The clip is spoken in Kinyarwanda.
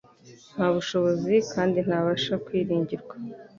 Nta bushobozi, kandi ntabasha kwiringirwa.